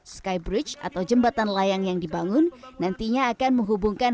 skybridge atau jembatan layang yang dibangun nantinya akan menghubungkan